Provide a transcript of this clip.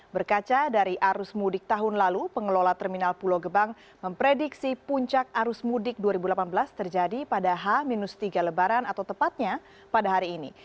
berkaca dari arus mudik tahun lalu pengelola terminal pulau gebang memprediksi puncak arus mudik dua ribu delapan belas terjadi pada h tiga lebaran atau tepatnya pada hari ini